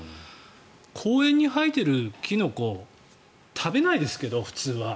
公園に生えているキノコ食べないですけど、普通は。